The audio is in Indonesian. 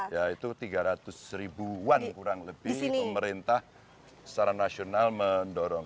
yaitu tiga ratus ribuan kurang lebih pemerintah secara nasional mendorong